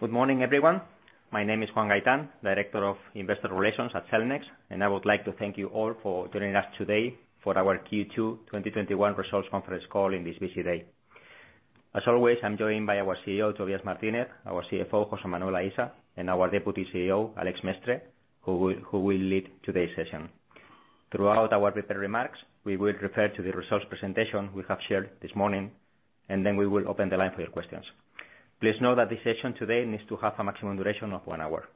Good morning, everyone. My name is Juan Gaitan, Director of Investor Relations at Cellnex, I would like to thank you all for joining us today for our Q2 2021 results conference call in this busy day. As always, I'm joined by our CEO, Tobias Martinez, our CFO, Jose Manuel Aisa, and our Deputy CEO, Alex Mestre, who will lead today's session. Throughout our prepared remarks, we will refer to the results presentation we have shared this morning, then we will open the line for your questions. Please note that the session today needs to have a maximum duration of one hour.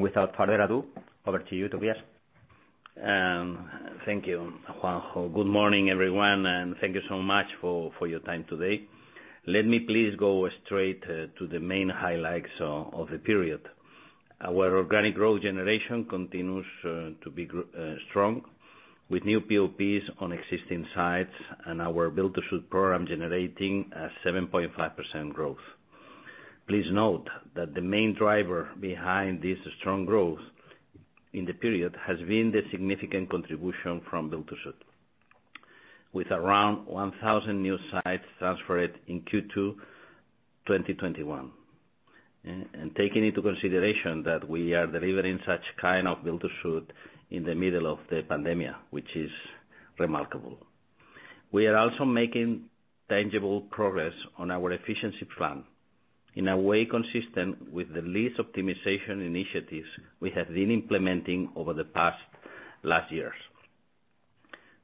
Without further ado, over to you, Tobias. Thank you, Juan. Good morning, everyone, and thank you so much for your time today. Let me please go straight to the main highlights of the period. Our organic growth generation continues to be strong with new PoPs on existing sites and our build-to-suit program generating a 7.5% growth. Please note that the main driver behind this strong growth in the period has been the significant contribution from build-to-suit, with around 1,000 new sites transferred in Q2 2021. Taking into consideration that we are delivering such kind of build-to-suit in the middle of the pandemic, which is remarkable. We are also making tangible progress on our efficiency plan in a way consistent with the lease optimization initiatives we have been implementing over the last years.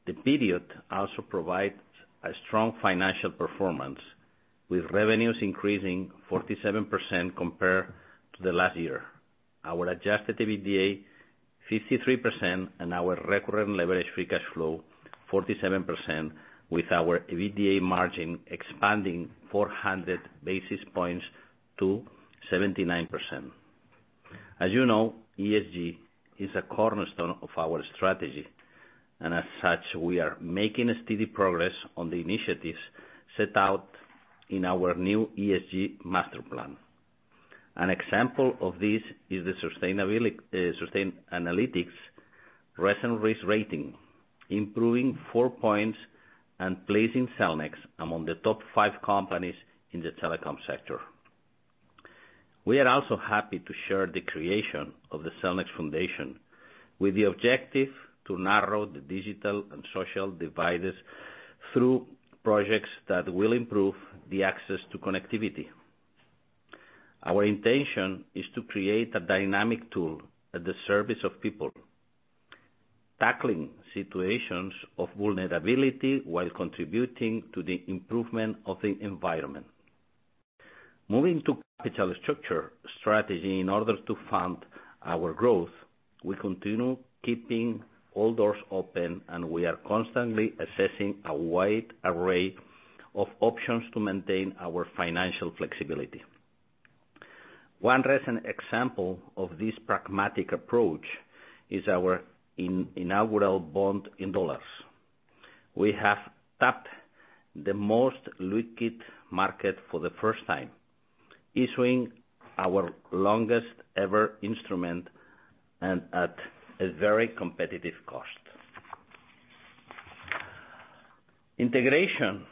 The period also provides a strong financial performance, with revenues increasing 47% compared to the last year. Our adjusted EBITDA 53%, and our recurrent levered free cash flow 47%, with our EBITDA margin expanding 400 basis points to 79%. As you know, ESG is a cornerstone of our strategy, and as such, we are making a steady progress on the initiatives set out in our new ESG master plan. An example of this is the Sustainalytics recent risk rating, improving 4 points and placing Cellnex among the top five companies in the telecom sector. We are also happy to share the creation of the Cellnex Foundation with the objective to narrow the digital and social dividers through projects that will improve the access to connectivity. Our intention is to create a dynamic tool at the service of people, tackling situations of vulnerability while contributing to the improvement of the environment. Moving to capital structure strategy in order to fund our growth, we continue keeping all doors open, and we are constantly assessing a wide array of options to maintain our financial flexibility. One recent example of this pragmatic approach is our inaugural bond in U.S. dollars. We have tapped the most liquid market for the first time, issuing our longest ever instrument and at a very competitive cost. Integration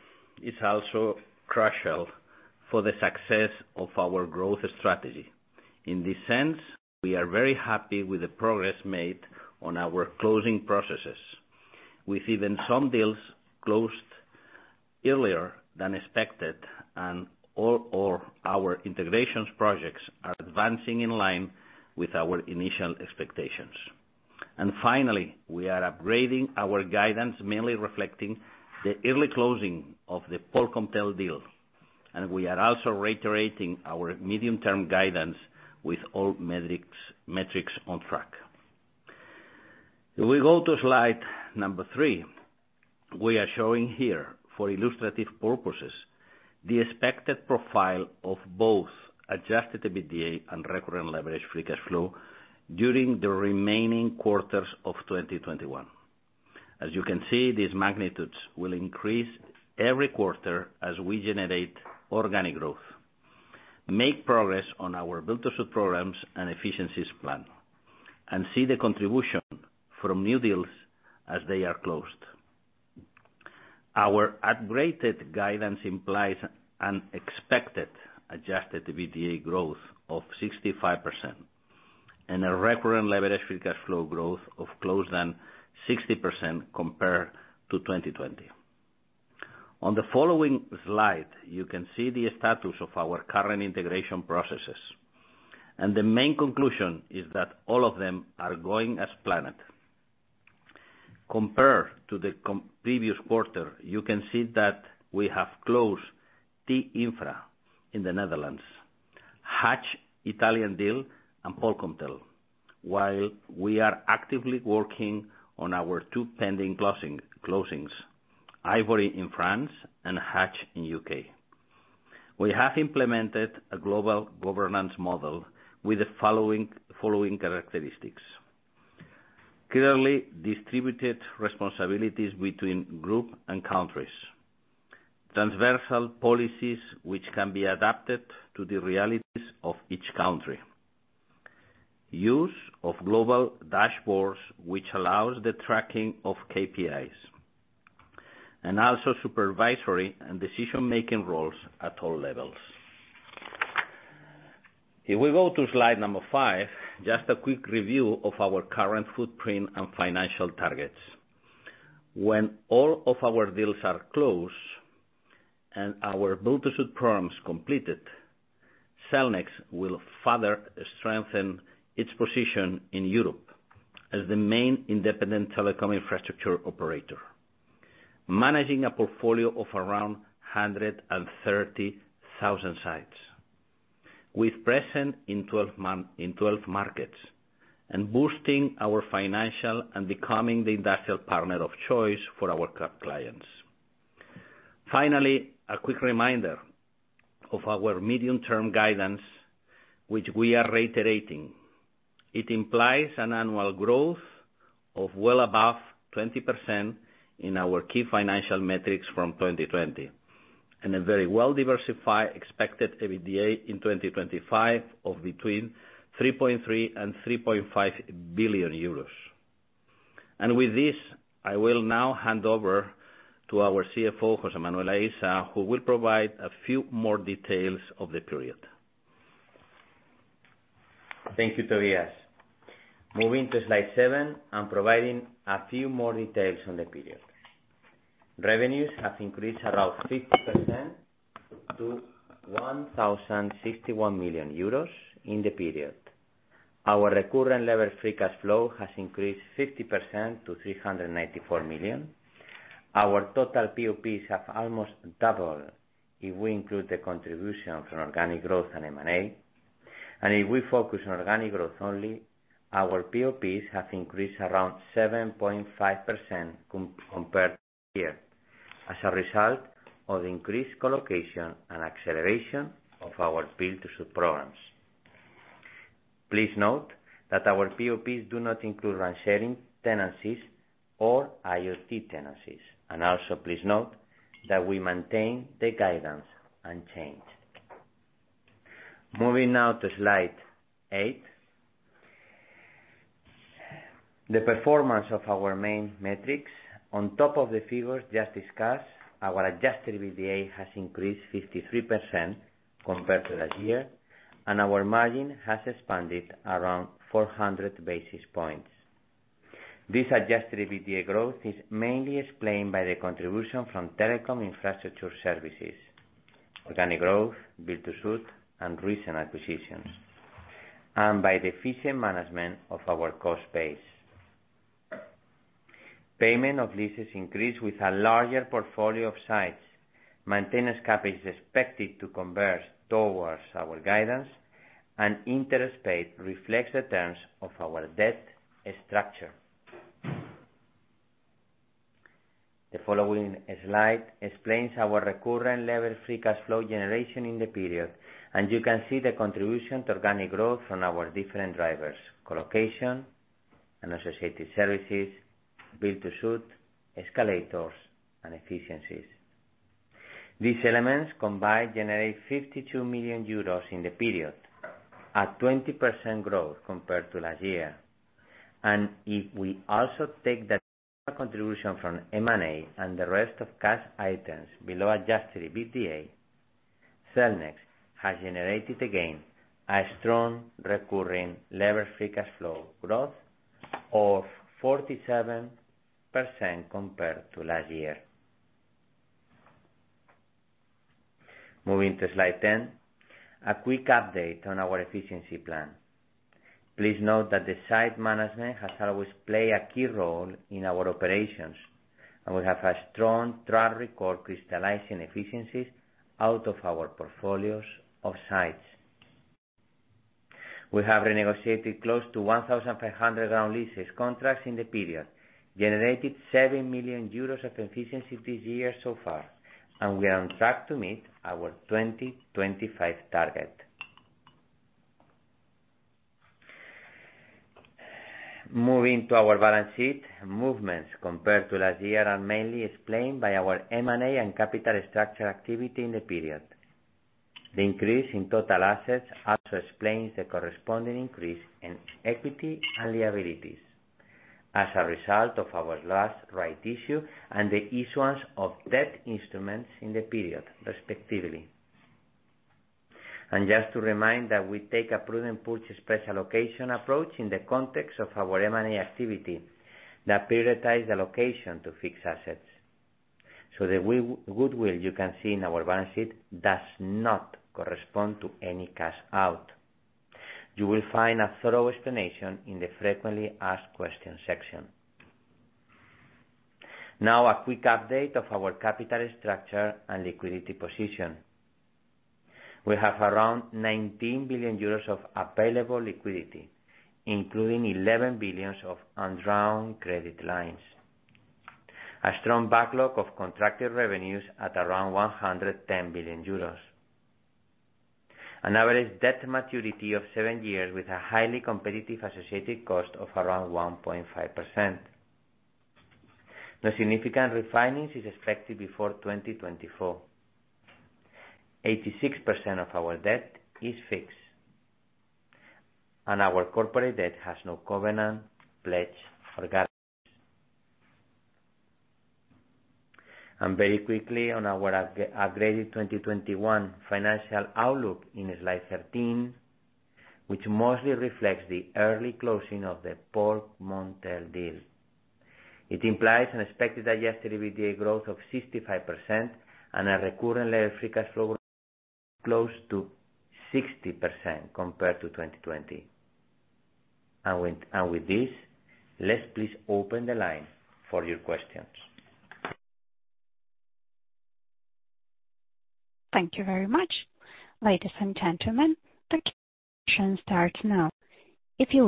is also crucial for the success of our growth strategy. In this sense, we are very happy with the progress made on our closing processes, with even some deals closed earlier than expected, and all of our integrations projects are advancing in line with our initial expectations. Finally, we are upgrading our guidance, mainly reflecting the early closing of the Polkomtel deal. We are also reiterating our medium-term guidance with all metrics on track. If we go to slide number three, we are showing here, for illustrative purposes, the expected profile of both adjusted EBITDA and recurrent levered free cash flow during the remaining quarters of 2021. As you can see, these magnitudes will increase every quarter as we generate organic growth, make progress on our build-to-suit programs and efficiencies plan, and see the contribution from new deals as they are closed. Our upgraded guidance implies an expected adjusted EBITDA growth of 65% and a recurrent levered free cash flow growth of close than 60% compared to 2020. On the following slide, you can see the status of our current integration processes, and the main conclusion is that all of them are going as planned. Compared to the previous quarter, you can see that we have closed T-Infra in the Netherlands, Hutchison Italian deal, and Polkomtel, while we are actively working on our two pending closings, Hivory in France and Hutchison in U.K. We have implemented a global governance model with the following characteristics. Clearly distributed responsibilities between group and countries. Transversal policies which can be adapted to the realities of each country. Use of global dashboards which allows the tracking of KPIs. Also supervisory and decision-making roles at all levels. If we go to slide number five, just a quick review of our current footprint and financial targets. When all of our deals are closed and our build-to-suit programs completed, Cellnex will further strengthen its position in Europe as the main independent telecom infrastructure operator, managing a portfolio of around 130,000 sites, with presence in 12 markets, and boosting our financial and becoming the industrial partner of choice for our clients. Finally, a quick reminder of our medium-term guidance, which we are reiterating. It implies an annual growth of well above 20% in our key financial metrics from 2020, and a very well-diversified expected EBITDA in 2025 of between 3.3 billion and 3.5 billion euros. With this, I will now hand over to our CFO, Jose Manuel Aisa, who will provide a few more details of the period. Thank you, Tobias. Moving to slide seven, I am providing a few more details on the period. Revenues have increased around 50% to 1,061 million euros in the period. Our recurrent levered free cash flow has increased 50% to 394 million. Our total PoPs have almost doubled if we include the contribution from organic growth and M&A. If we focus on organic growth only, our PoPs have increased around 7.5% compared to last year, as a result of increased co-location and acceleration of our build-to-suit programs. Please note that our PoPs do not include RAN sharing tenancies or IoT tenancies. Also please note that we maintain the guidance unchanged. Moving now to slide eight. The performance of our main metrics. On top of the figures just discussed, our adjusted EBITDA has increased 53% compared to last year, and our margin has expanded around 400 basis points. This adjusted EBITDA growth is mainly explained by the contribution from telecom infrastructure services, organic growth, build-to-suit, and recent acquisitions, and by the efficient management of our cost base. Payment of leases increased with a larger portfolio of sites. Maintenance CapEx is expected to converge towards our guidance, and interest paid reflects the terms of our debt structure. The following slide explains our recurrent levered free cash flow generation in the period, and you can see the contribution to organic growth from our different drivers: co-location and associated services, build-to-suit, escalators, and efficiencies. These elements combined generate 52 million euros in the period, a 20% growth compared to last year. If we also take the additional contribution from M&A and the rest of cash items below adjusted EBITDA, Cellnex has generated again a strong recurrent levered free cash flow growth of 47% compared to last year. Moving to slide 10, a quick update on our efficiency plan. Please note that the site management has always played a key role in our operations, and we have a strong track record crystallizing efficiencies out of our portfolios of sites. We have renegotiated close to 1,500 ground leases contracts in the period, generated 7 million euros of efficiency this year so far, and we are on track to meet our 2025 target. Moving to our balance sheet. Movements compared to last year are mainly explained by our M&A and capital structure activity in the period. The increase in total assets also explains the corresponding increase in equity and liabilities as a result of our last rights issue and the issuance of debt instruments in the period, respectively. Just to remind that we take a prudent purchase price allocation approach in the context of our M&A activity that prioritize the allocation to fixed assets. The goodwill you can see in our balance sheet does not correspond to any cash out. You will find a thorough explanation in the frequently asked questions section. A quick update of our capital structure and liquidity position. We have around 19 billion euros of available liquidity, including 11 billion of undrawn credit lines. A strong backlog of contracted revenues at around 110 billion euros. An average debt maturity of seven years with a highly competitive associated cost of around 1.5%. No significant refinancing is expected before 2024. 86% of our debt is fixed. Our corporate debt has no covenant, pledge or guarantees. Very quickly on our upgraded 2021 financial outlook in slide 13, which mostly reflects the early closing of the Polkomtel deal. It implies an expected adjusted EBITDA growth of 65% and a recurrent levered free cash flow close to 60% compared to 2020. With this, let's please open the line for your questions. Thank you very much. Ladies and gentlemen, the question starts now. The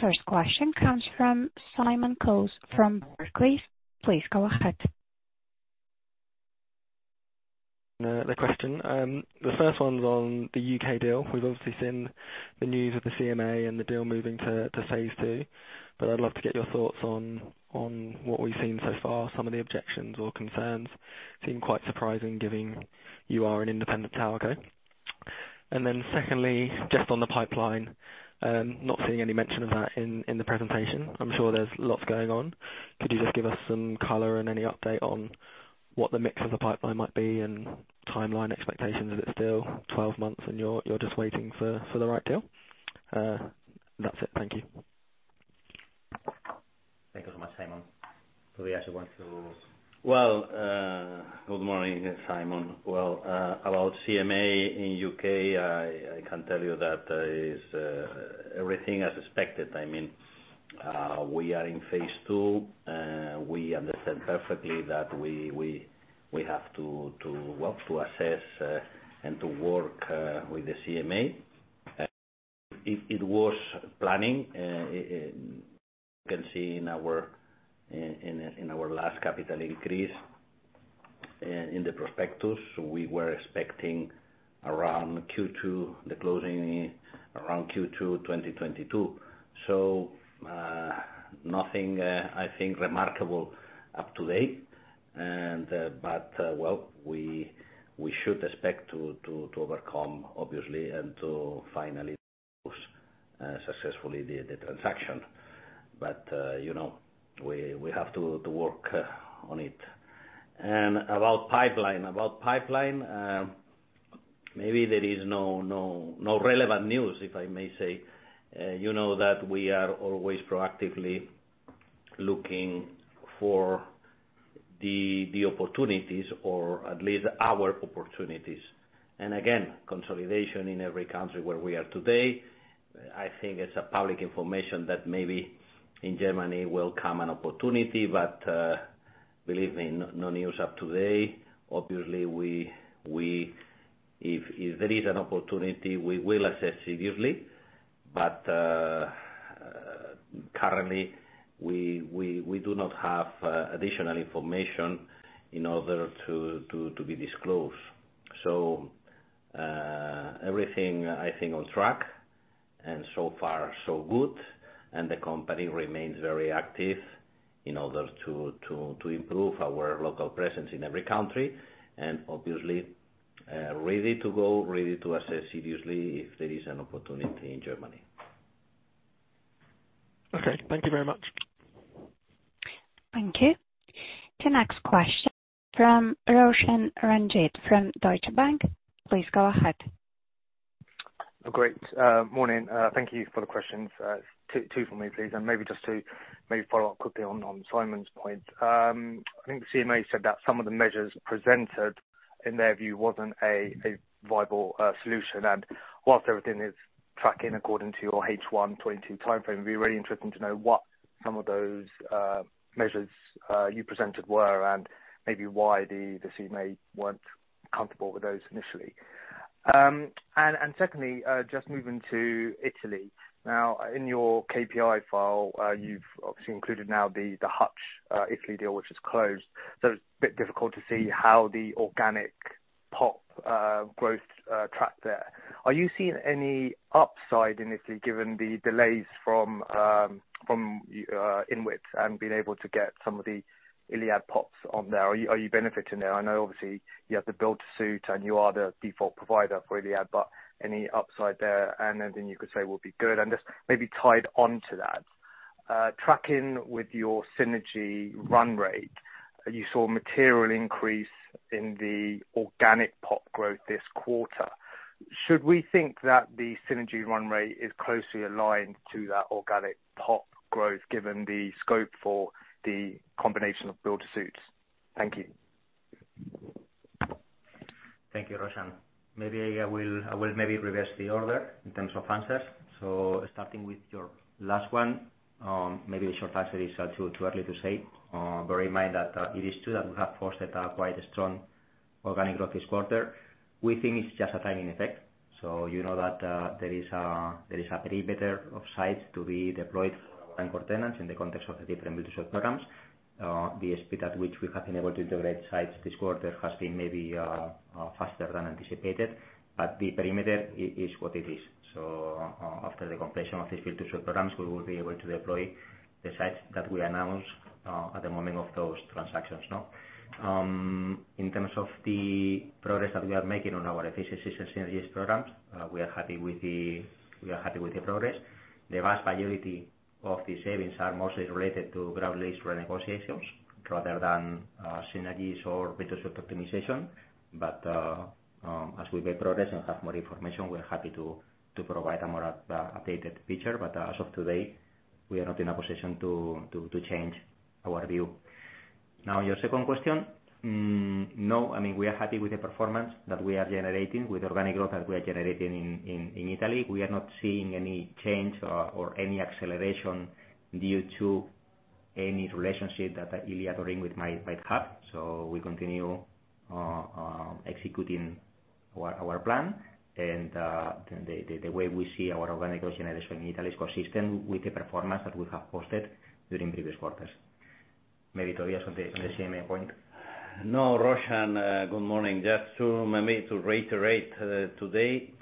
first question comes from Simon Coles from Barclays. Please go ahead. The question. The first one's on the U.K. deal. We've obviously seen the news of the CMA and the deal moving to phase II, but I'd love to get your thoughts on what we've seen so far. Some of the objections or concerns seem quite surprising given you are an independent tower co. Secondly, just on the pipeline, not seeing any mention of that in the presentation. I'm sure there's lots going on. Could you just give us some color and any update on what the mix of the pipeline might be and timeline expectations? Is it still 12 months and you're just waiting for the right deal? That's it. Thank you. Thank you so much, Simon. Tobias, Well, good morning, Simon. Well, about CMA in U.K., I can tell you that is everything as expected. I mean, we are in phase II. We understand perfectly that we have to well, to assess and to work with the CMA. It was planning, you can see in our last capital increase in the prospectus, we were expecting around Q2, the closing around Q2 2022. Nothing, I think remarkable up to date. Well, we should expect to overcome obviously and to finally close successfully the transaction. You know, we have to work on it. About pipeline, maybe there is no relevant news, if I may say. You know that we are always proactively looking for the opportunities or at least our opportunities. Consolidation in every country where we are today, I think it's a public information that maybe in Germany will come an opportunity. Believe me, no news up to date. Obviously, if there is an opportunity, we will assess seriously. Currently, we do not have additional information in order to be disclosed. Everything I think on track and so far so good. The company remains very active in order to improve our local presence in every country. Obviously, ready to go, ready to assess seriously if there is an opportunity in Germany. Okay. Thank you very much. Thank you. The next question from Roshan Ranjit from Deutsche Bank. Please go ahead. Great. Morning. Thank you for the questions. Two for me, please. Maybe just to maybe follow up quickly on Simon Coles's point. I think the CMA said that some of the measures presented in their view wasn't a viable solution. Whilst everything is tracking according to your H1 2022 timeframe, it'd be really interesting to know what some of those measures you presented were and maybe why the CMA weren't comfortable with those initially. Secondly, just moving to Italy. Now, in your KPI file, you've obviously included now the Hutch Italy deal, which has closed. It's a bit difficult to see how the organic PoP growth tracked there. Are you seeing any upside in Italy, given the delays from INWIT and being able to get some of the Iliad PoPs on there? Are you benefiting there? I know obviously you have the build-to-suit and you are the default provider for Iliad, but any upside there and anything you could say would be good. Just maybe tied on to that, tracking with your synergy run rate, you saw material increase in the organic PoP growth this quarter. Should we think that the synergy run rate is closely aligned to that organic PoP growth, given the scope for the combination of build-to-suits? Thank you. Thank you, Roshan. Maybe I will maybe reverse the order in terms of answers. Starting with your last one, maybe a short answer is too early to say. Bear in mind that it is true that we have posted a quite a strong organic growth this quarter. We think it's just a timing effect. You know that there is a perimeter of sites to be deployed for our anchor tenants in the context of the different build-to-suit programs. The speed at which we have been able to integrate sites this quarter has been maybe faster than anticipated, but the perimeter is what it is. After the completion of these build-to-suit programs, we will be able to deploy the sites that we announced at the moment of those transactions, no? In terms of the progress that we are making on our efficiency synergies programs, we are happy with the progress. The vast majority of the savings are mostly related to ground lease renegotiations rather than synergies or build-to-suit optimization. As we make progress and have more information, we're happy to provide a more updated picture. As of today, we are not in a position to change our view. Your second question. no, I mean, we are happy with the performance that we are generating, with organic growth that we are generating in Italy. We are not seeing any change or any acceleration due to any relationship that Iliad or Wind might have. We continue executing our plan. The way we see our organic growth generation in Italy is consistent with the performance that we have posted during previous quarters. Maybe Tobias on the CMA point. No, Roshan, good morning. Just to maybe to reiterate, today,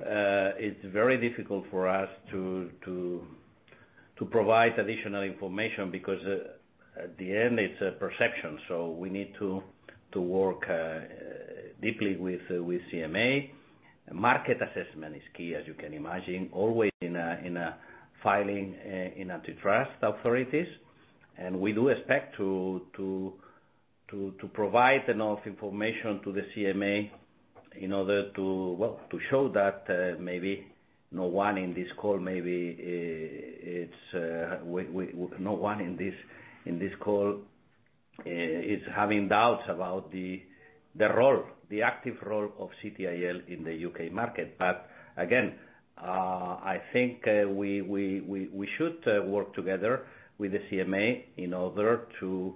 it's very difficult for us to provide additional information because at the end, it's a perception. We need to work deeply with CMA. Market assessment is key, as you can imagine, always in a filing, in antitrust authorities. We do expect to provide enough information to the CMA in order to, well, to show that maybe no one in this call, maybe, it's, no one in this, in this call, is having doubts about the role, the active role of CTIL in the U.K. market. Again, I think we should work together with the CMA in order to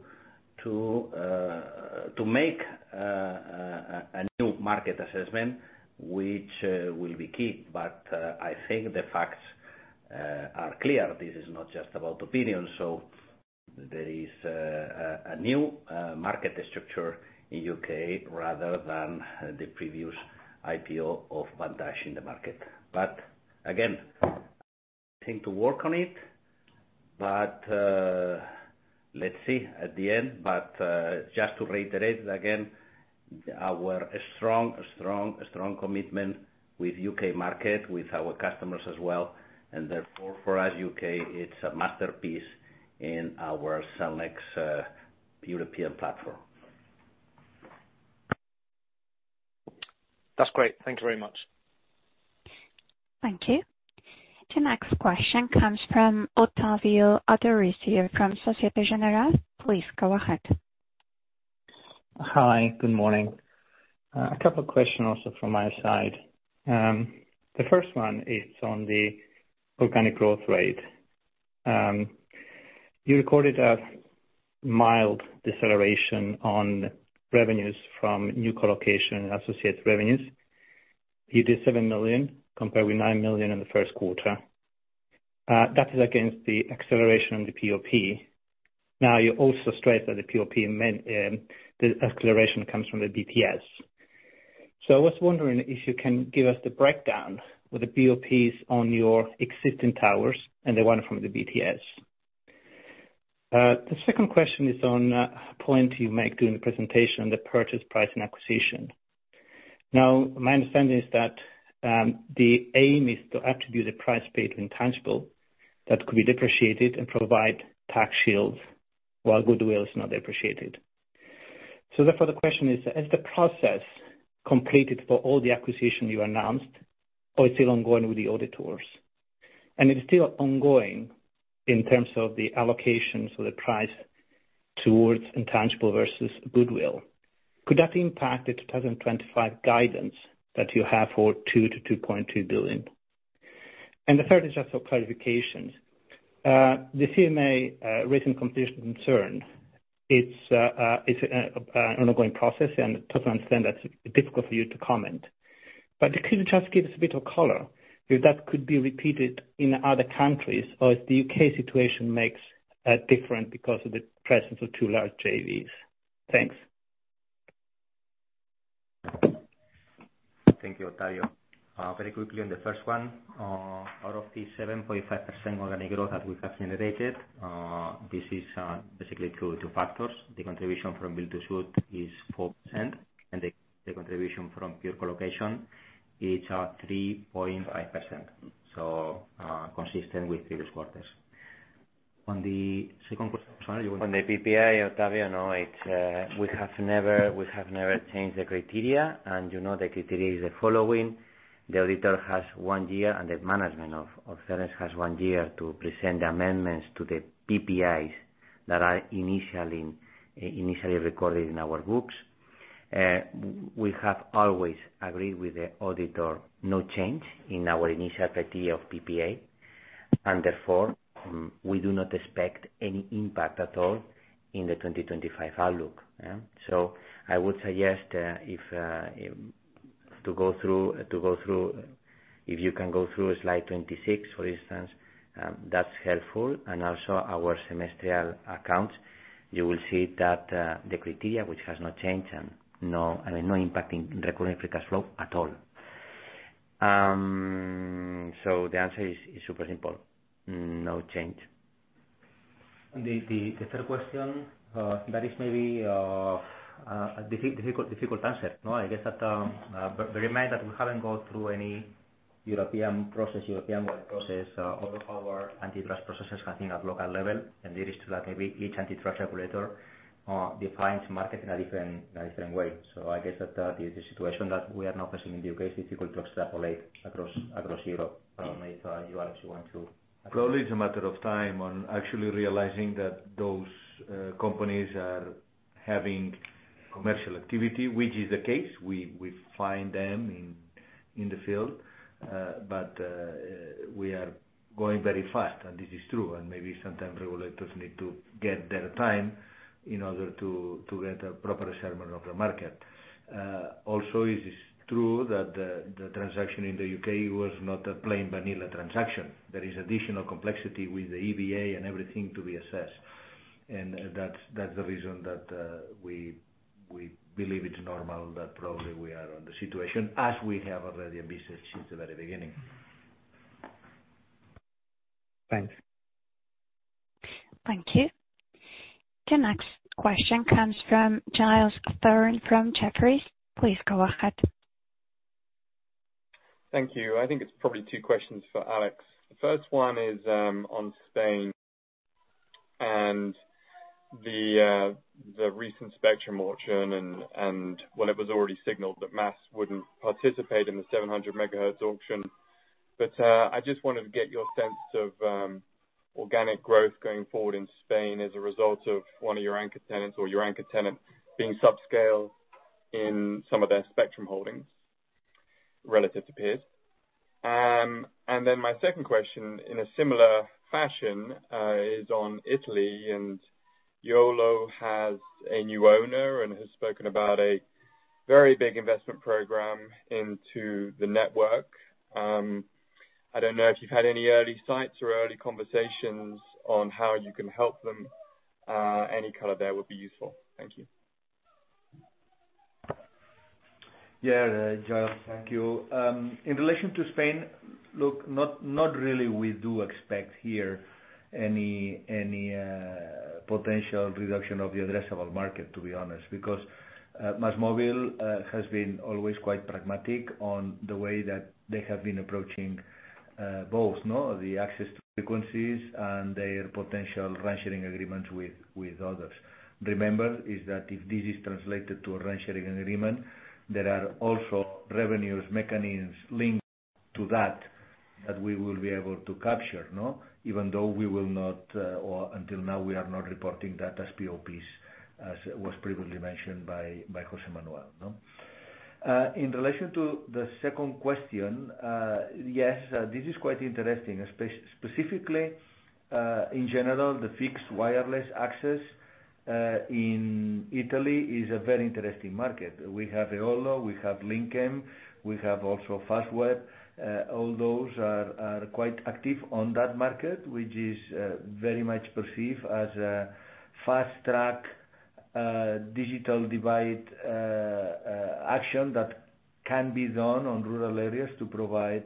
make a new market assessment, which will be key. I think the facts are clear. This is not just about opinion. There is a new market structure in U.K. rather than the previous IPO of Vantage in the market. Again, we continue to work on it. Let's see at the end. Just to reiterate again, our strong commitment with U.K. market, with our customers as well, and therefore for us, U.K. it's a masterpiece in our Cellnex European platform. That's great. Thank you very much. Thank you. The next question comes from Ottavio Adorisio from Societe Generale. Please go ahead. Hi. Good morning. A couple questions from my side. The first one is on the organic growth rate. You recorded a mild deceleration on revenues from new co-location and associates revenues. You did 7 million compared with 9 million in the first quarter. That is against the acceleration on the PoP. Now, you also stressed that the PoP main, the acceleration comes from the BTS. I was wondering if you can give us the breakdown with the PoPs on your existing towers and the one from the BTS. The second question is on a point you make during the presentation, the purchase price acquisition. Now, my understanding is that, the aim is to attribute the price paid to intangible that could be depreciated and provide tax shields while goodwill is not depreciated. Therefore, the question is the process completed for all the acquisition you announced, or it's still ongoing with the auditors? If it's still ongoing in terms of the allocation, so the price towards intangible versus goodwill, could that impact the 2025 guidance that you have for 2 billion-2.2 billion? The third is just for clarification. The CMA raising competition concern, it's an ongoing process, and totally understand that's difficult for you to comment. Could you just give us a bit of color if that could be repeated in other countries, or if the U.K. situation makes different because of the presence of two large JVs? Thanks. Thank you, Ottavio. Very quickly on the first one. Out of the 7.5% organic growth that we have generated, this is basically due to two factors. The contribution from build-to-suit is 4%, and the contribution from pure colocation is 3.5%, so consistent with previous quarters. On the second question, sorry you want- On the PPA, Ottavio. No, it's, we have never changed the criteria. You know the criteria is the following: The auditor has one year, and the management of Cellnex has one year to present amendments to the PPAs that are initially recorded in our books. We have always agreed with the auditor, no change in our initial criteria of PPA. Therefore, we do not expect any impact at all in the 2025 outlook. I would suggest, if you can go through slide 26, for instance, that's helpful. Also our semestral accounts, you will see that the criteria, which has not changed and I mean, no impact in recurring free cash flow at all. The answer is super simple. No change. The third question, that is maybe a difficult answer. No, I guess that bear in mind that we haven't gone through any European wide process. All of our antitrust processes have been at local level, and it is true that maybe each antitrust regulator defines market in a different way. I guess that that is the situation that we are now facing in the U.K. It's difficult to extrapolate across Europe. Maybe you Alex want to- Probably it's a matter of time on actually realizing that those companies are having commercial activity, which is the case. We find them in the field. We are going very fast, and this is true, and maybe sometimes regulators need to get their time in order to get a proper assessment of the market. Also, it is true that the transaction in the U.K. was not a plain vanilla transaction. There is additional complexity with the JVA and everything to be assessed, and that's the reason that we believe it's normal, that probably we are on the situation as we have already advised since the very beginning. Thanks. Thank you. The next question comes from Giles Thorne from Jefferies. Please go ahead. Thank you. I think it's probably two questions for Alex. The first one is on Spain and the recent spectrum auction. It was already signaled that Mas wouldn't participate in the 700 MHz auction. I just wanted to get your sense of organic growth going forward in Spain as a result of one of your anchor tenants or your anchor tenant being subscale in some of their spectrum holdings relative to peers. My second question, in a similar fashion, is on Italy. EOLO has a new owner and has spoken about a very big investment program into the network. I don't know if you've had any early sights or early conversations on how you can help them. Any color there would be useful. Thank you. Giles, thank you. In relation to Spain, look, not really we do expect here any potential reduction of the addressable market, to be honest. Because MásMóvil has been always quite pragmatic on the way that they have been approaching both. The access to frequencies and their potential RAN sharing agreements with others. Remember is that if this is translated to a RAN sharing agreement, there are also revenues, mechanisms linked to that we will be able to capture. Even though we will not, or until now, we are not reporting that as PoPs, as was previously mentioned by Jose Manuel. In relation to the second question, yes, this is quite interesting, specifically, in general, the fixed wireless access in Italy is a very interesting market. We have EOLO, we have Linkem, we have also Fastweb. All those are quite active on that market, which is very much perceived as a fast track digital divide action that can be done on rural areas to provide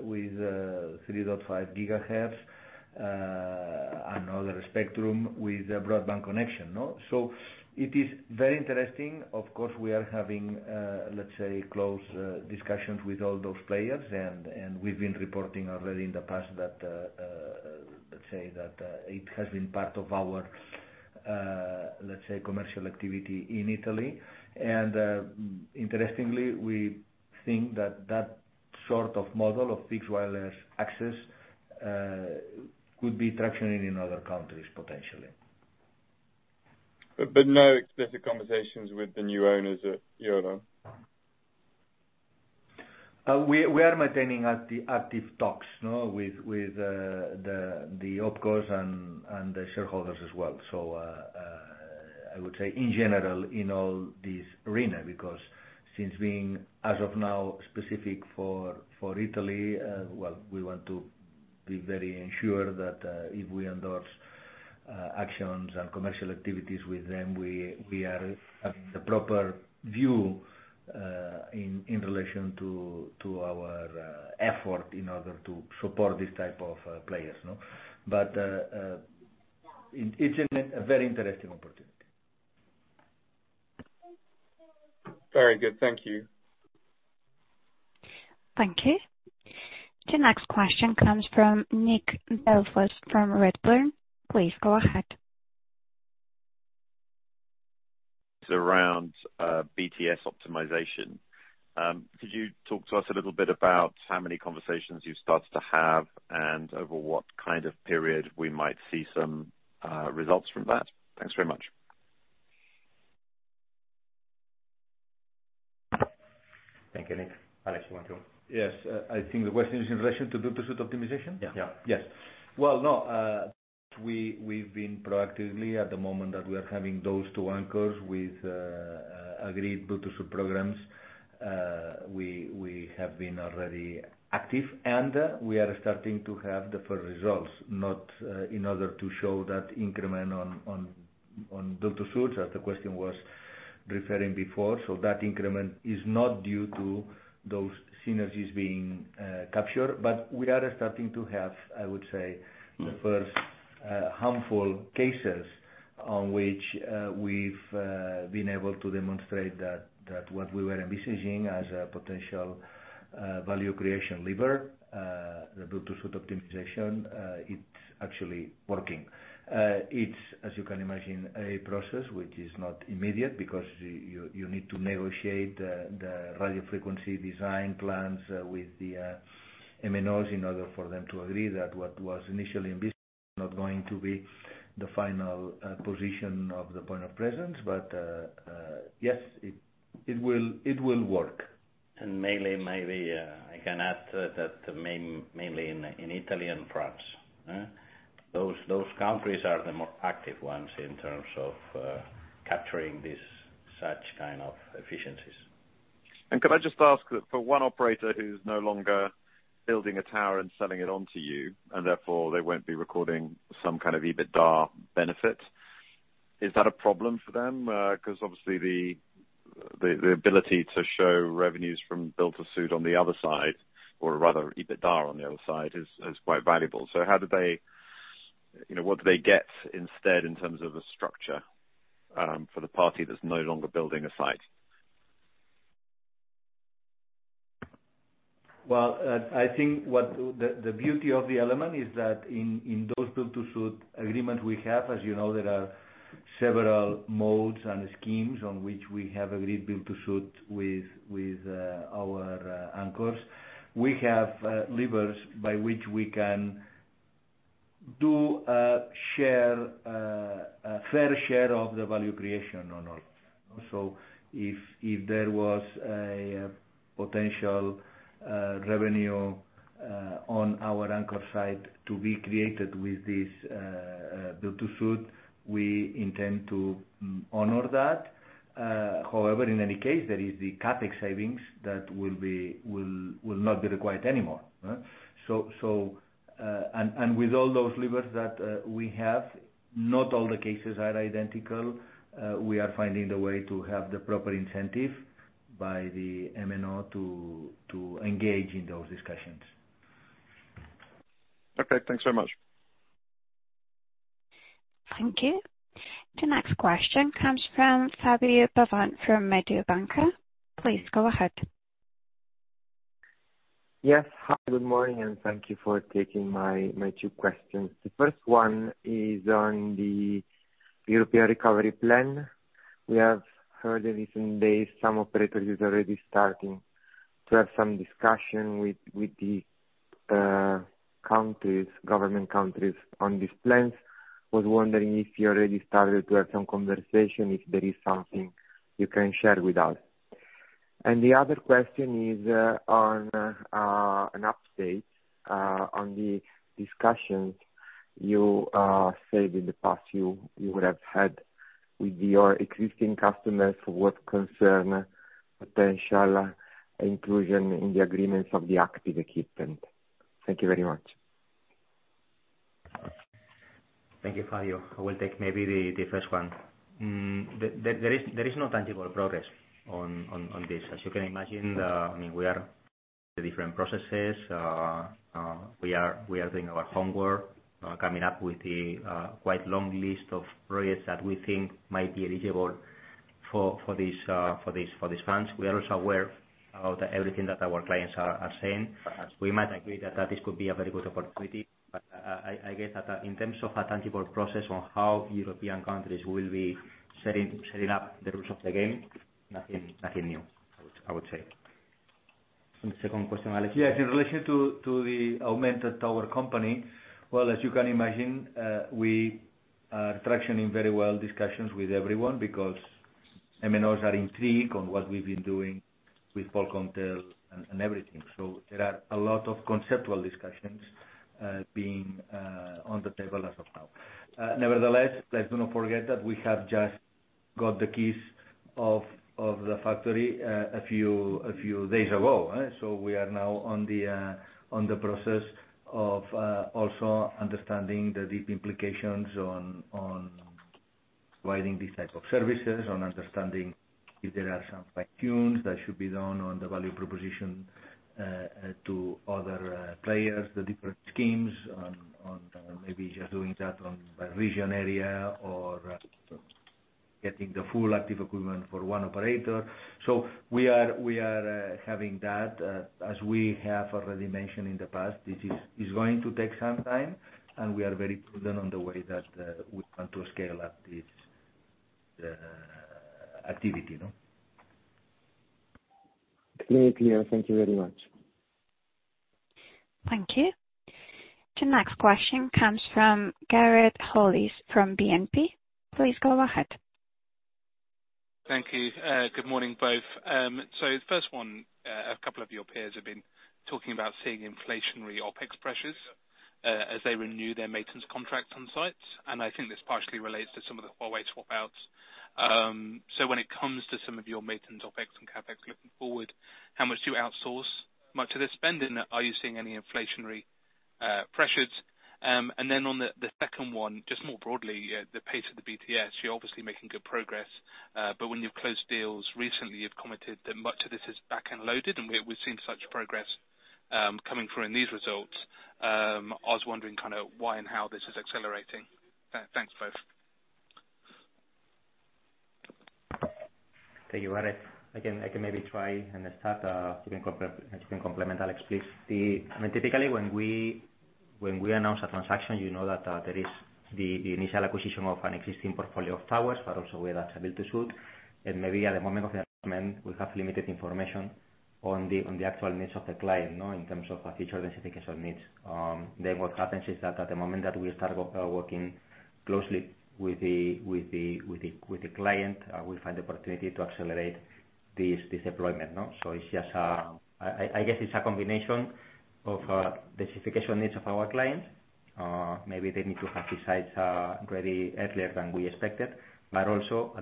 with 3.5 GHz another spectrum with a broadband connection, no? It is very interesting. Of course, we are having, let's say close discussions with all those players and we've been reporting already in the past that, let's say that, it has been part of our, let's say, commercial activity in Italy. Interestingly, we think that that sort of model of fixed wireless access could be tractioning in other countries potentially. No explicit conversations with the new owners at EOLO? We are maintaining active talks, no? With the OPCOs and the shareholders as well. I would say in general, in all this arena, because since being as of now specific for Italy, well, we want to be very ensure that if we endorse actions and commercial activities with them, we are having the proper view in relation to our effort in order to support these type of players, no? It's a very interesting opportunity. Very good. Thank you. Thank you. The next question comes from Nick Delfas from Redburn. Please go ahead. It's around BTS optimization. Could you talk to us a little bit about how many conversations you've started to have and over what kind of period we might see some results from that? Thanks very much. Thank you, Nick. Alex. Yes. I think the question is in relation to build-to-suit optimization. Yeah. Yes. Well, no, we've been proactively at the moment that we are having those two anchors with agreed build-to-suit programs. We have been already active, and we are starting to have the first results, not, in order to show that increment on build-to-suit, as the question was referring before. That increment is not due to those synergies being captured, but we are starting to have, I would say, the first handful cases on which we've been able to demonstrate that what we were envisaging as a potential value creation lever, the build-to-suit optimization, it's actually working. It's, as you can imagine, a process which is not immediate because you need to negotiate the radio frequency design plans with the MNOs in order for them to agree that what was initially envisaged is not going to be the final position of the point of presence. Yes, it will, it will work. Mainly maybe, I can add to that mainly in Italy and France. Those countries are the more active ones in terms of capturing such kind of efficiencies. Could I just ask for one operator who's no longer building a tower and selling it on to you, and therefore they won't be recording some kind of EBITDA benefit, is that a problem for them? 'Cause obviously the, the ability to show revenues from build-to-suit on the other side, or rather EBITDA on the other side is quite valuable. How do they You know, what do they get instead in terms of the structure for the party that's no longer building a site? Well, I think what the beauty of the element is that in those build-to-suit agreements we have, as you know, there are several modes and schemes on which we have agreed build-to-suit with our anchors. We have levers by which we can do a fair share of the value creation on all. If there was a potential revenue on our anchor side to be created with this build-to-suit, we intend to honor that. However, in any case, there is the CapEx savings that will not be required anymore. With all those levers that we have, not all the cases are identical. We are finding the way to have the proper incentive by the MNO to engage in those discussions. Okay, thanks very much. Thank you. The next question comes from Fabio Pavan, from Mediobanca. Please go ahead. Yes. Hi, good morning, and thank you for taking my two questions. The first one is on the European Recovery Plan. We have heard in recent days some operators is already starting to have some discussion with the countries, government countries on these plans. Was wondering if you already started to have some conversation, if there is something you can share with us? The other question is on an update on the discussions you said in the past you would have had with your existing customers for what concern potential inclusion in the agreements of the active equipment. Thank you very much. Thank you, Fabio. I will take maybe the first one. There is no tangible progress on this. As you can imagine, I mean, we are the different processes. We are doing our homework, coming up with a quite long list of projects that we think might be eligible for this funds. We are also aware about everything that our clients are saying. As we might agree that this could be a very good opportunity. I guess that in terms of a tangible process on how European countries will be setting up the rules of the game, nothing new, I would say. The second question, Alex? Yes. In relation to the augmented tower company, well, as you can imagine, we are tractioning very well discussions with everyone because MNOs are intrigued on what we've been doing with Polkomtel and everything. There are a lot of conceptual discussions being on the table as of now. Nevertheless, let's do not forget that we have just got the keys of the factory a few days ago. We are now on the process of also understanding the deep implications on providing these type of services, on understanding if there are some fine-tunes that should be done on the value proposition to other players, the different schemes on maybe just doing that on a region area or getting the full active equipment for one operator. We are having that. As we have already mentioned in the past, this is going to take some time, and we are very prudent on the way that we want to scale up this activity, you know. Very clear. Thank you very much. Thank you. The next question comes from Gareth Hollis from BNP. Please go ahead. Thank you. Good morning, both. First one, a couple of your peers have been talking about seeing inflationary OpEx pressures as they renew their maintenance contracts on sites. I think this partially relates to some of the Huawei swap outs. When it comes to some of your maintenance OpEx and CapEx looking forward, how much do you outsource much of this spend? Are you seeing any inflationary pressures? On the second one, just more broadly, the pace of the BTS, you're obviously making good progress. When you've closed deals recently, you've commented that much of this is back-end loaded, and we've seen such progress coming through in these results. I was wondering kind of why and how this is accelerating. Thanks both. Thank you, Gareth. I can maybe try and start. You can complement Alex, please. I mean, typically, when we announce a transaction, you know that there is the initial acquisition of an existing portfolio of towers, but also where that's build-to-suit. Maybe at the moment of the announcement, we have limited information on the actual needs of the client, you know, in terms of our future densification needs. What happens is that at the moment that we start working closely with the client, we find the opportunity to accelerate this deployment, you know. It's just I guess it's a combination of densification needs of our clients. Maybe they need to have these sites ready earlier than we expected at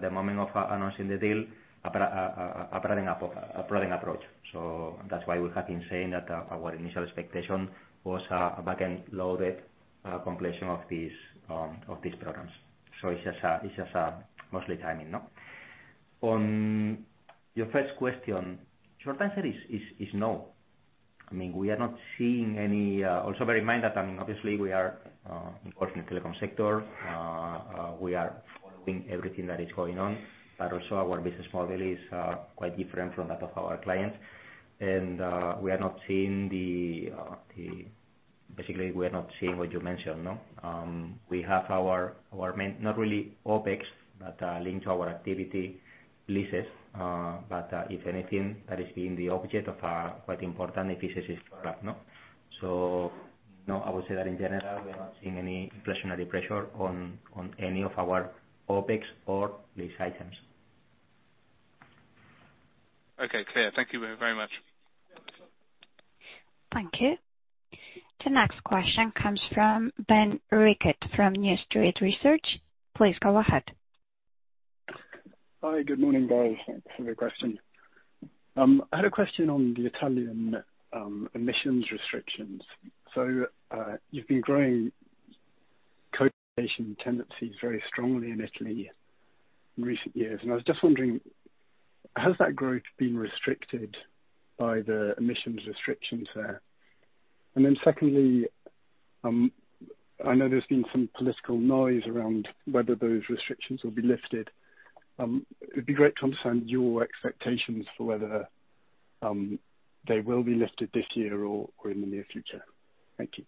the moment of announcing the deal. That's why we have been saying that our initial expectation was a back-end loaded completion of these of these programs. It's just mostly timing, you know. On your first question, short answer is no. I mean, we are not seeing any. Bear in mind that, I mean, obviously we are involved in the telecom sector. We are following everything that is going on. Our business model is quite different from that of our clients. Basically we are not seeing what you mentioned, no. We have our main, not really OpEx, but linked to our activity leases. If anything, that is being the object of a quite important efficiency program, you know. No, I would say that in general, we are not seeing any inflationary pressure on any of our OpEx or lease items. Okay. Clear. Thank you very, very much. Thank you. The next question comes from Ben Rickett from New Street Research. Please go ahead. Hi. Good morning, guys. Thanks for your question. I had a question on the Italian emissions restrictions. You've been growing co-location tendencies very strongly in Italy in recent years. I was just wondering, has that growth been restricted by the emissions restrictions there? Secondly, I know there's been some political noise around whether those restrictions will be lifted. It'd be great to understand your expectations for whether they will be lifted this year or in the near future. Thank you.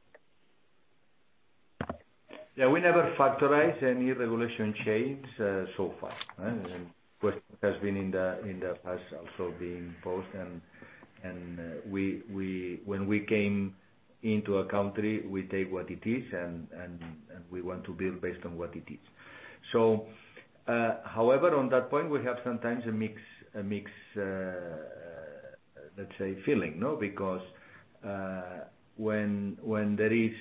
Yeah. We never factorize any regulation changes so far, right? What has been in the past also being posed. When we came into a country, we take what it is and we want to build based on what it is. However, on that point, we have sometimes a mix, let's say, feeling, you know. When there is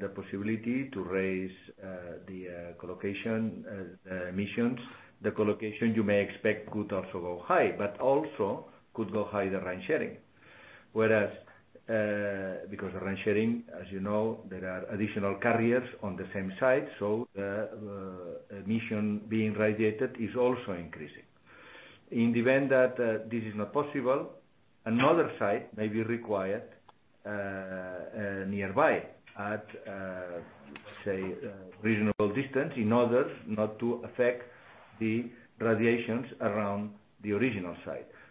the possibility to raise the co-location emissions, the co-location you may expect could also go high, but also could go high the RAN sharing. Because the RAN sharing, as you know, there are additional carriers on the same site, the emission being radiated is also increasing. In the event that this is not possible, another site may be required nearby at say reasonable distance in order not to affect the radiations around the original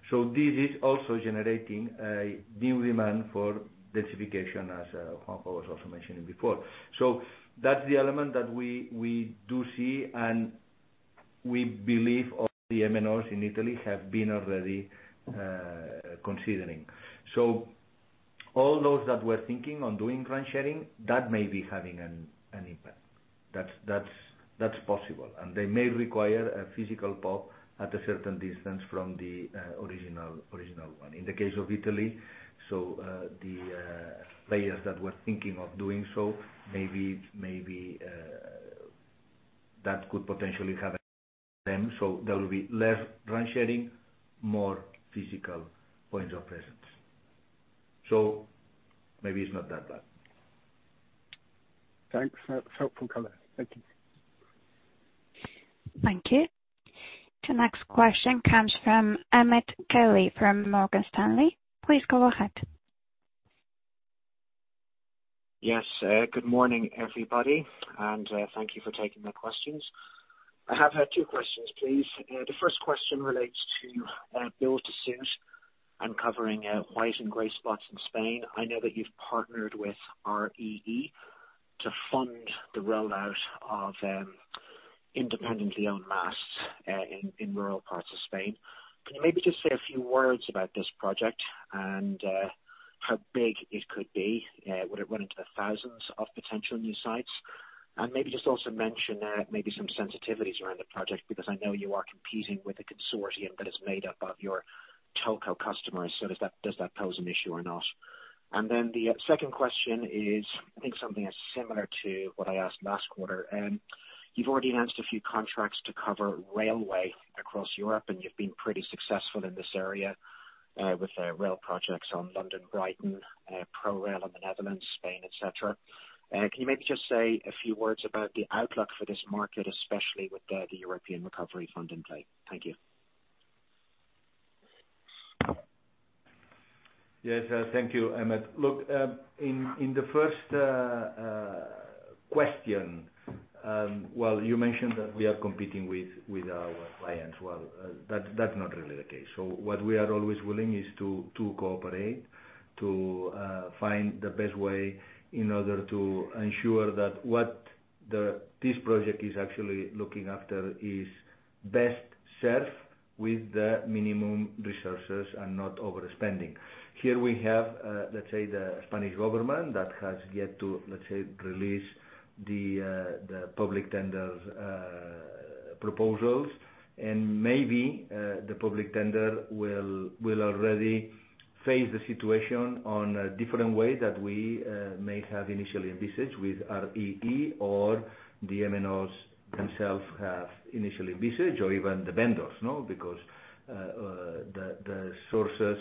site. This is also generating a new demand for densification, as Jose was also mentioning before. That's the element that we do see, and we believe all the MNOs in Italy have been already considering. All those that were thinking on doing RAN sharing, that may be having an impact. That's possible. And they may require a physical POP at a certain distance from the original one. In the case of Italy, the players that were thinking of doing so, maybe that could potentially have an impact on them. There will be less RAN sharing, more physical points of presence. Maybe it's not that bad. Thanks. That's helpful color. Thank you. Thank you. The next question comes from Emmet Kelly from Morgan Stanley. Please go ahead. Yes, good morning, everybody, and, thank you for taking the questions. I have, two questions, please. The first question relates to, build-to-suit and covering, white and gray spots in Spain. I know that you've partnered with REE to fund the rollout of, independently owned masts, in rural parts of Spain. Can you maybe just say a few words about this project and, how big it could be? Would it run into the thousands of potential new sites? Maybe just also mention, maybe some sensitivities around the project, because I know you are competing with a consortium that is made up of your telco customers, so does that, does that pose an issue or not? Then the second question is, I think something that's similar to what I asked last quarter. You've already announced a few contracts to cover railway across Europe. You've been pretty successful in this area with the rail projects on London, Brighton, ProRail in the Netherlands, Spain, et cetera. Can you maybe just say a few words about the outlook for this market, especially with the European Recovery Fund in play? Thank you. Yes. Thank you, Emmet. Look, in the first question, well, you mentioned that we are competing with our clients. Well, that's not really the case. What we are always willing is to cooperate, to find the best way in order to ensure that what this project is actually looking after is best served with the minimum resources and not overspending. Here we have, let's say, the Spanish government that has yet to, let's say, release the public tender proposals. Maybe, the public tender will already face the situation on a different way that we may have initially envisaged with REE or the MNOs themselves have initially envisaged or even the vendors, no? The sources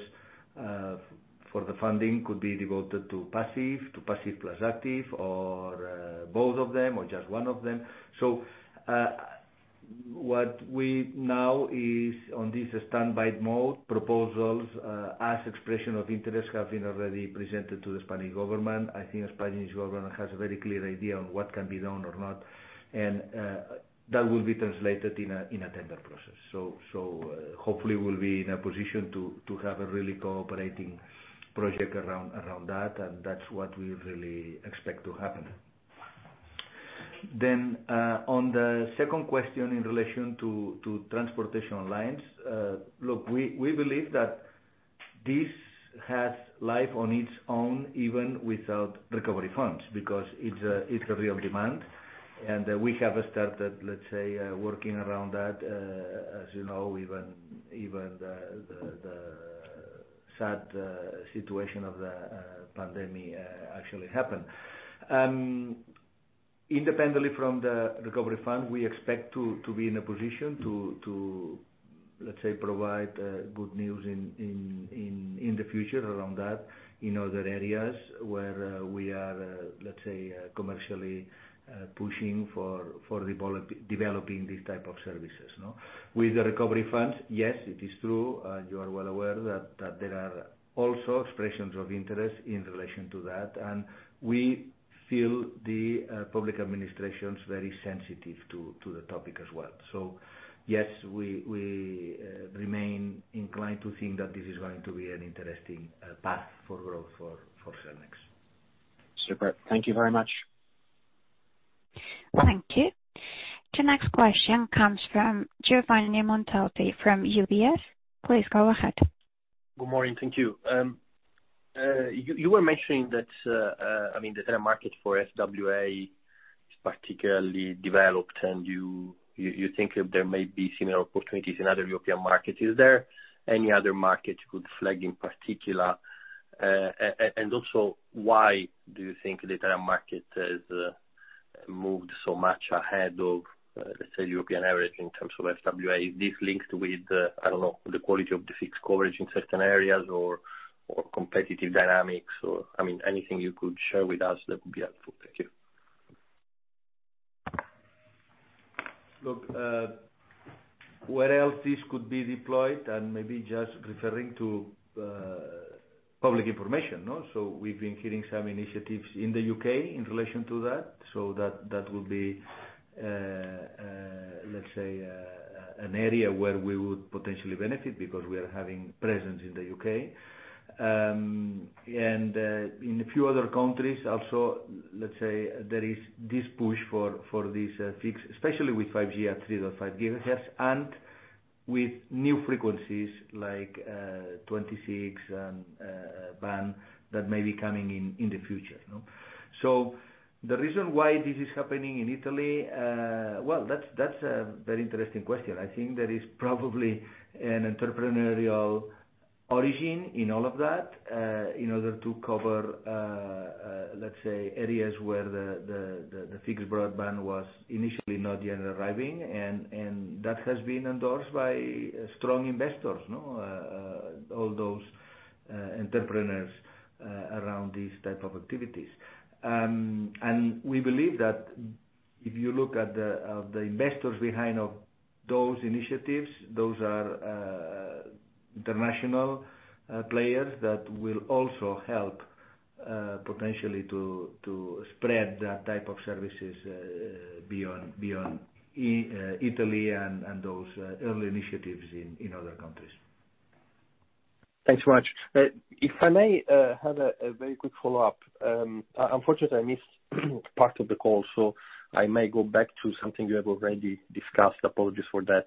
for the funding could be devoted to passive, to passive plus active or both of them, or just one of them. What we now is on this standby mode, proposals as expression of interest, have been already presented to the Spanish Government. I think the Spanish Government has a very clear idea on what can be done or not, and that will be translated in a tender process. Hopefully we'll be in a position to have a really cooperating project around that, and that's what we really expect to happen. On the second question in relation to transportation lines, look, we believe that this has life on its own, even without recovery funds, because it's a real demand. We have started, let's say, working around that, as you know, even the sad situation of the pandemic actually happened. Independently from the European Recovery Fund, we expect to be in a position to, let's say, provide good news in the future around that in other areas where we are, let's say, commercially pushing for developing these type of services. With the European recovery plan, yes, it is true, you are well aware that there are also expressions of interest in relation to that, and we feel the public administration's very sensitive to the topic as well. Yes, we remain inclined to think that this is going to be an interesting path for growth for Cellnex. Super. Thank you very much. Thank you. The next question comes from Giovanni Montalti from UBS. Please go ahead. Good morning. Thank you. You were mentioning that, I mean, the Italian market for FWA is particularly developed, and you think there may be similar opportunities in other European markets. Is there any other market you could flag in particular? Why do you think the Italian market has moved so much ahead of, let's say, European average in terms of FWA? Is this linked with, I don't know, the quality of the fixed coverage in certain areas or competitive dynamics or, I mean, anything you could share with us that would be helpful. Thank you. Look, where else this could be deployed, and maybe just referring to public information, no? We've been hearing some initiatives in the U.K. in relation to that. That will be, let's say, an area where we would potentially benefit because we are having presence in the U.K. And in a few other countries also, let's say there is this push for this fix, especially with 5G at 3.5 GHz and with new frequencies like 26 GHz band that may be coming in the future, no? The reason why this is happening in Italy, well, that's a very interesting question. I think there is probably an entrepreneurial origin in all of that, in order to cover, let's say, areas where the fixed broadband was initially not yet arriving, and that has been endorsed by strong investors, no? All those entrepreneurs around these type of activities. We believe that if you look at the investors behind of those initiatives, those are international players that will also help potentially to spread that type of services beyond Italy and those early initiatives in other countries. Thanks very much. If I may, have a very quick follow-up. Unfortunately, I missed part of the call, so I may go back to something you have already discussed. Apologies for that.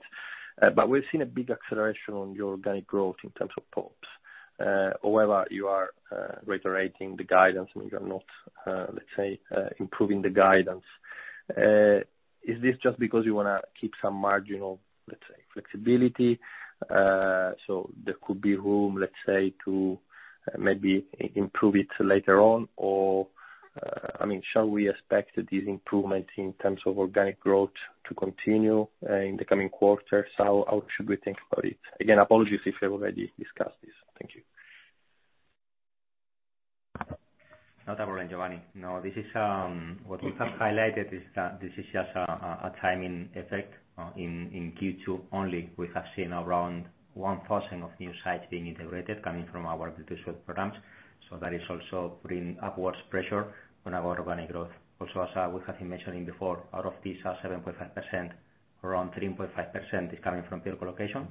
We've seen a big acceleration on your organic growth in terms of PoPs. However, you are reiterating the guidance. I mean, you are not, let's say, improving the guidance. Is this just because you wanna keep some margin of, let's say? Flexibility. There could be room, let's say, to maybe improve it later on. I mean, shall we expect these improvements in terms of organic growth to continue in the coming quarters? How should we think about it? Again, apologies if you've already discussed this. Thank you. Not a worry, Giovanni. No, this is What we have highlighted is that this is just a timing effect. In Q2 only, we have seen around 1,000 of new sites being integrated coming from our build-to-suit programs. That is also putting upwards pressure on our organic growth. Also, as we have been mentioning before, out of this 7.5%, around 3.5% is coming from pure co-location.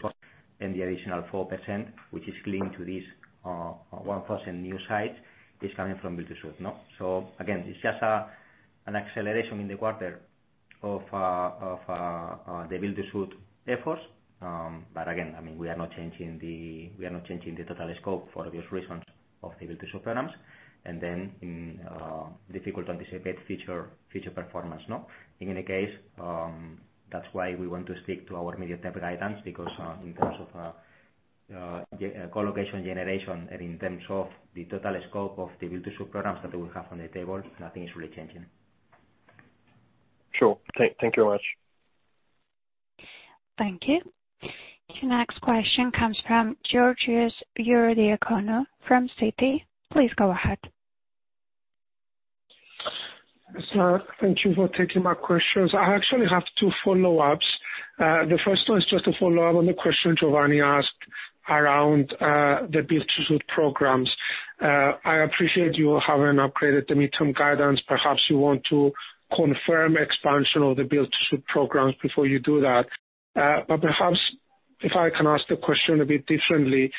The additional 4%, which is linked to this 1,000 new sites, is coming from build-to-suit, no? Again, it's just an acceleration in the quarter of the build-to-suit efforts. Again, I mean, we are not changing the total scope for obvious reasons of the build-to-suit programs. In difficult to anticipate future performance. In any case, that's why we want to stick to our medium-term guidance because in terms of co-location generation and in terms of the total scope of the build-to-suit programs that we have on the table, nothing is really changing. Sure. Thank you very much. Thank you. The next question comes from Georgios Ierodiaconou from Citi. Please go ahead. Thank you for taking my questions. I actually have two follow-ups. The first one is just a follow-up on the question Giovanni asked around the build-to-suit programs. I appreciate you haven't upgraded the midterm guidance. Perhaps you want to confirm expansion of the build-to-suit programs before you do that. Perhaps if I can ask the question a bit differently,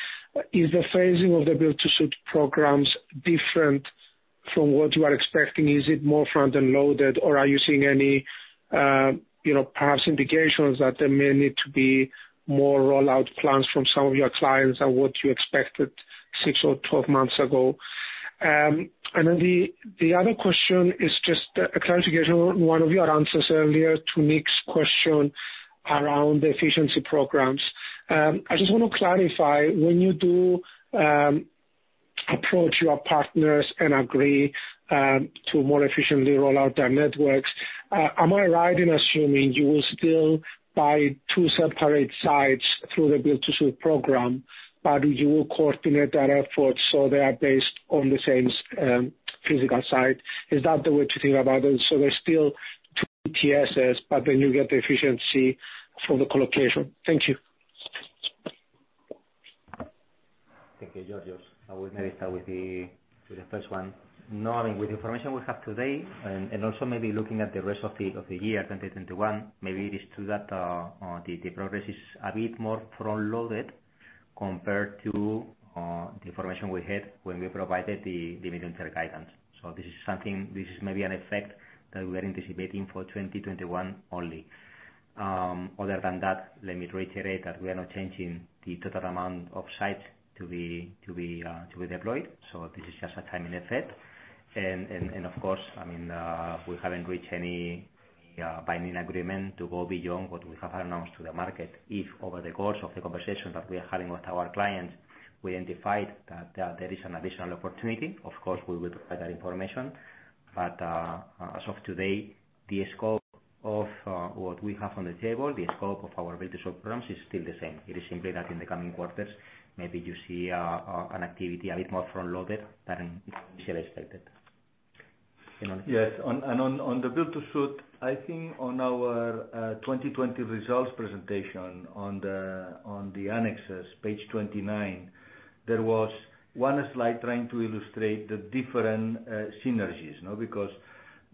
is the phasing of the build-to-suit programs different from what you are expecting? Is it more front-end loaded, or are you seeing any, you know, perhaps indications that there may need to be more rollout plans from some of your clients than what you expected six or 12 months ago? The other question is just a clarification on one of your answers earlier to Nick's question around the efficiency programs. I just want to clarify, when you do approach your partners and agree to more efficiently roll out their networks, am I right in assuming you will still buy two separate sites through the build-to-suit program, but you will coordinate that effort so they are based on the same physical site? Is that the way to think about it? There's still TSS, but then you get the efficiency from the co-location. Thank you. Thank you, Georgios. I will maybe start with the first one. I mean, with the information we have today and also maybe looking at the rest of the year 2021, maybe it is true that the progress is a bit more front-loaded compared to the information we had when we provided the mid-term guidance. This is something, this is maybe an effect that we are anticipating for 2021 only. Other than that, let me reiterate that we are not changing the total amount of sites to be deployed. Of course, I mean, we haven't reached any binding agreement to go beyond what we have announced to the market. If over the course of the conversation that we are having with our clients, we identified that, there is an additional opportunity, of course we will provide that information. As of today, the scope of what we have on the table, the scope of our build-to-suit programs is still the same. It is simply that in the coming quarters, maybe you see an activity a bit more front-loaded than initially expected. Alex Mestre? Yes. On the build-to-suit, I think on our 2020 results presentation on the annexes, page 29, there was one slide trying to illustrate the different synergies. Because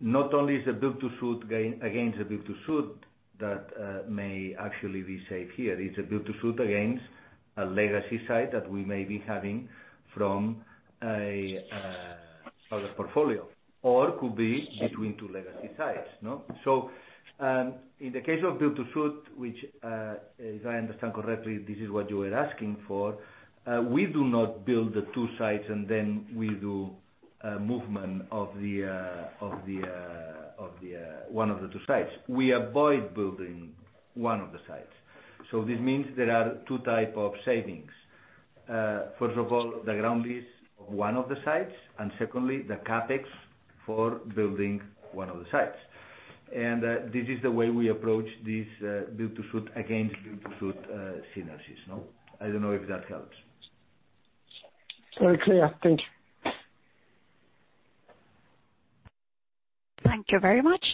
not only is a build-to-suit gain against a build-to-suit that may actually be saved here. It's a build-to-suit against a legacy site that we may be having from a other portfolio, or could be between two legacy sites. In the case of build-to-suit, which, if I understand correctly, this is what you were asking for, we do not build the two sites, and then we do movement of the one of the two sites. We avoid building 1 of the sites. This means there are two type of savings. First of all, the ground lease of one of the sites, and secondly, the CapEx for building one of the sites. This is the way we approach these, build-to-suit against build-to-suit, synergies, no? I don't know if that helps. Very clear. Thank you. Thank you very much.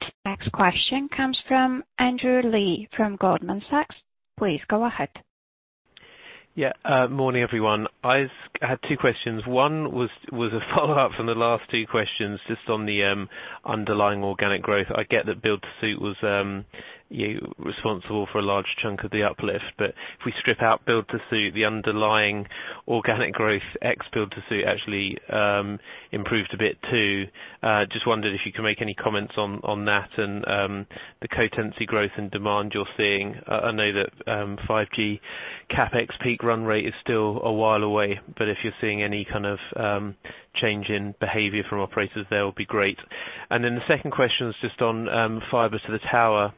The next question comes from Andrew Lee from Goldman Sachs. Please go ahead. Morning, everyone. I've had two questions. One was a follow-up from the last two questions, just on the underlying organic growth. I get that build-to-suit was responsible for a large chunk of the uplift. If we strip out build-to-suit, the underlying organic growth ex build-to-suit actually improved a bit too. Just wondered if you can make any comments on that and the co-tenancy growth and demand you're seeing. I know that 5G CapEx peak run rate is still a while away, but if you're seeing any kind of change in behavior from operators there will be great. The second question is just on fiber to the tower.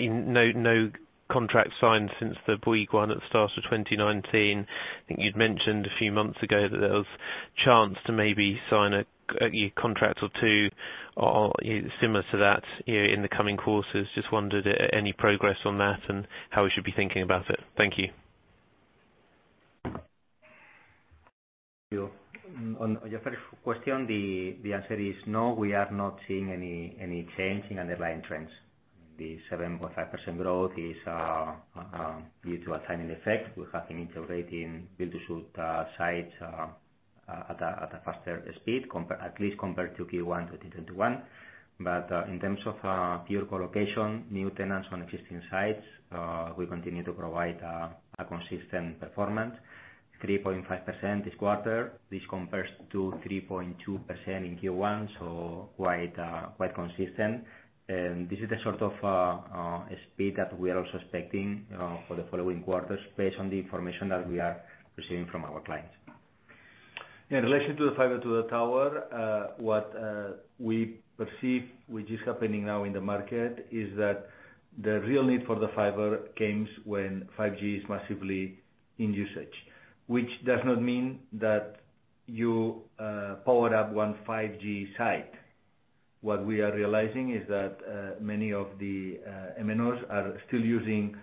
No contract signed since the Bouygues one at the start of 2019. I think you'd mentioned a few months ago that there was chance to maybe sign a contract or two or similar to that, you know, in the coming quarters. Just wondered any progress on that and how we should be thinking about it. Thank you. Thank you. On your first question, the answer is no, we are not seeing any change in underlying trends. The 7.5% growth is due to a timing effect. We have been integrating build-to-suit sites at a faster speed at least compared to Q1 2021. In terms of pure colocation, new tenants on existing sites, we continue to provide a consistent performance. 3.5% this quarter. This compares to 3.2% in Q1, quite consistent. This is the sort of speed that we are also expecting for the following quarters based on the information that we are receiving from our clients. In relation to the fiber to the tower, what we perceive, which is happening now in the market, is that the real need for the fiber comes when 5G is massively in usage. Which does not mean that you power up 1 5G site. What we are realizing is that many of the MNOs are still using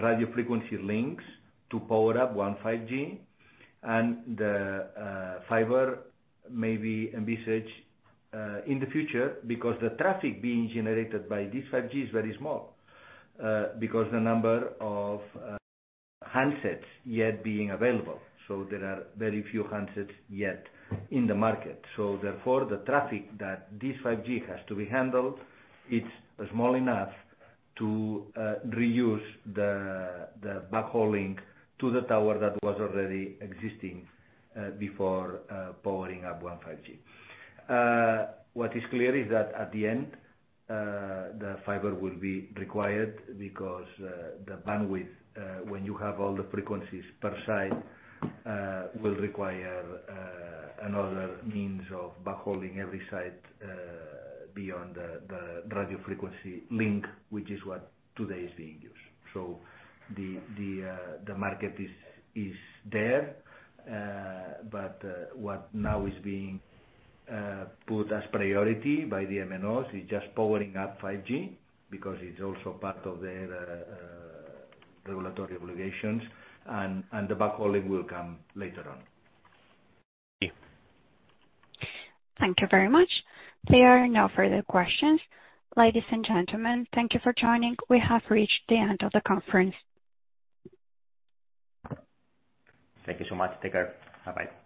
radio frequency links to power up 1 5G. The fiber may be envisaged in the future because the traffic being generated by this 5G is very small, because the number of handsets yet being available. There are very few handsets yet in the market. Therefore, the traffic that this 5G has to be handled, it's small enough to reuse the backhauling to the tower that was already existing before powering up 1 5G. What is clear is that at the end, the fiber will be required because the bandwidth when you have all the frequencies per site will require another means of backhauling every site beyond the radio frequency link which is what today is being used. The market is there. What now is being put as priority by the MNOs is just powering up 5G because it's also part of their regulatory obligations and the backhauling will come later on. Thank you. Thank you very much. There are no further questions. Ladies and gentlemen, thank you for joining. We have reached the end of the conference. Thank you so much. Take care. Bye-bye.